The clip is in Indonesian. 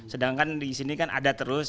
sedangkan disini kan ada terus